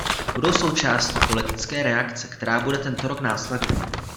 Budou součástí politické reakce, která bude tento rok následovat.